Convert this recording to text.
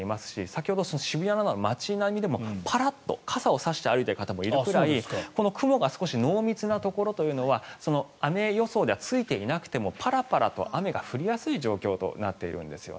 先ほど渋谷などの街並みでもパラッと傘を差して歩いている人もいるくらいこの雲が少し濃密なところというのは雨予想ではついていなくてもパラパラと雨が降りやすい状況となっているんです。